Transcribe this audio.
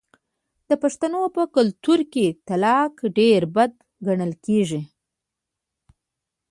د پښتنو په کلتور کې طلاق ډیر بد ګڼل کیږي.